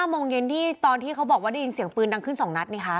โมงเย็นที่ตอนที่เขาบอกว่าได้ยินเสียงปืนดังขึ้น๒นัดนี่คะ